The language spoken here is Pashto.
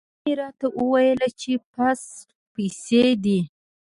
مور مې راته وویل چې پس پسي دی.